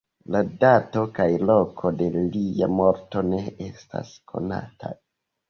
La dato kaj loko de lia morto ne estas konataj.